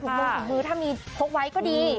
ถูกลงถึงมือถ้ามีพกไว้ก็ดี